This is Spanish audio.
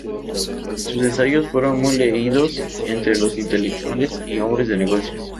Sus ensayos fueron muy leídos entre los intelectuales y hombres de negocios.